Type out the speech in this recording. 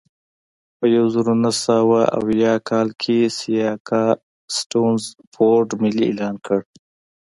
په یوه زرو نهه سوه اویا کال کې سیاکا سټیونز بورډ ملي اعلان کړ.